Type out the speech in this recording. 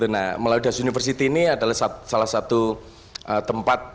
nah melayu das university ini adalah salah satu tempat